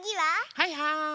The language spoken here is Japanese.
はいはい。